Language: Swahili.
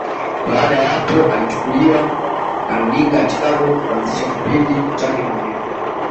Baada ya hapo alichukuliwa na Runinga ya Chicago kuanzisha kipindi chake mwenyewe